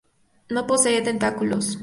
No poseen tentáculos.